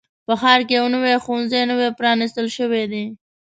په ښار کې یو نوي ښوونځی نوی پرانیستل شوی دی.